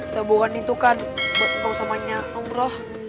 tabungan itu kan buat untuk sama nyak om bro